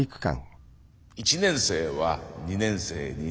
１年生は２年生になり。